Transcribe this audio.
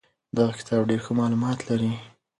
دغه کتاب ډېر ښه معلومات لري.